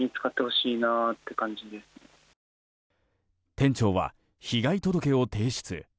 店長は被害届を提出。